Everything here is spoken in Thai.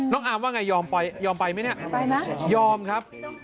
น้องอามว่าไงยอมไปยอมไปมั้ยเนี่ยยอมครับ